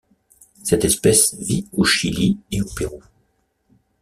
Cette espèce vit au Chili et au Pérou.